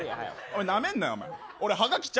なめんなよお前。